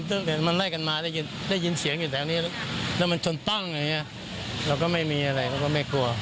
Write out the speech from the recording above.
พอมันไปถึงนู้นแล้วมันได้ยินเสียงอยู่แถวนี้แล้วมันจนตั้งเราก็ไม่มีอะไรเราก็ไม่กลัว